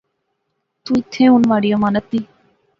تو ایتھیں ہن مہاڑی امانت دئیں